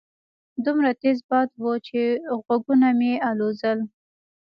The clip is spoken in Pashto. دومره تېز باد وو چې غوږونه يې الوځول.